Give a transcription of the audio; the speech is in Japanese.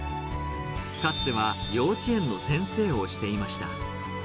かつては幼稚園の先生をしていました。